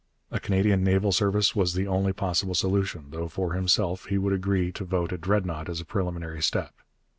A Canadian Naval Service was the only possible solution, though for himself he would agree to vote a Dreadnought as a preliminary step.